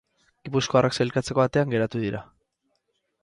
Gipuzkoarrak sailkatzeko atean geratu dira.